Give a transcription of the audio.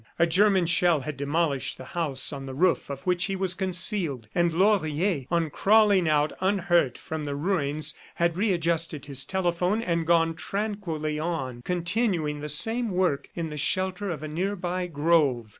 A German shell had demolished the house on the roof of which he was concealed, and Laurier, on crawling out unhurt from the ruins, had readjusted his telephone and gone tranquilly on, continuing the same work in the shelter of a nearby grove.